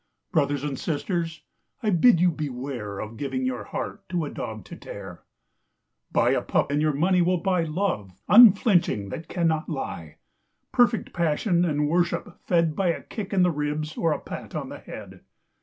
Brothers and sisters, I bid you beware Of giving your heart to a dog to tear. Buy a pup and your money will buy Love unflinching that cannot lie Perfect passion and worship fed By a kick in the ribs or a pat on the head.